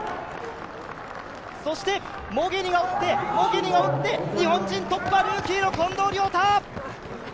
そして、モゲニが追ってモゲニが追って日本人トップはルーキーの近藤亮太。